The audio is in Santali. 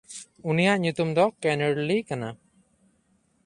ᱩᱱᱤᱭᱟᱜ ᱧᱩᱛᱩᱢ ᱫᱚ ᱠᱮᱱᱲᱞᱤ ᱠᱟᱱᱟ᱾